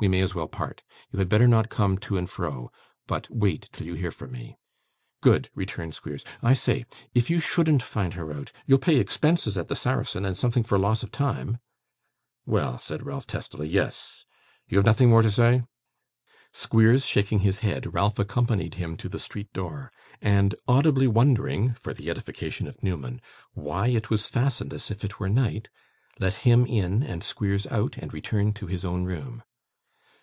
We may as well part. You had better not come to and fro, but wait till you hear from me.' 'Good!' returned Squeers. 'I say! If you shouldn't find her out, you'll pay expenses at the Saracen, and something for loss of time?' 'Well,' said Ralph, testily; 'yes! You have nothing more to say?' Squeers shaking his head, Ralph accompanied him to the streetdoor, and audibly wondering, for the edification of Newman, why it was fastened as if it were night, let him in and Squeers out, and returned to his own room.